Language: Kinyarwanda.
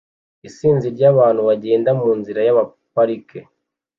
Isinzi ry'abantu bagenda munzira ya parike